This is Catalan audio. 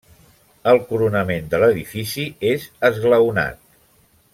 El coronament de l'edifici és esglaonat.